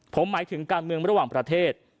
ผมหมายถึงการเมืองระหว่างประเทศ